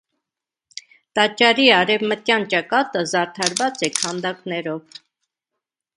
Տաճարի արևմտյան ճակատը զարդարված է քանդակներով։